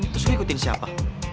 terus gue ikutin siapa